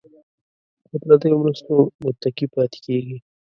په پردیو مرستو متکي پاتې کیږي.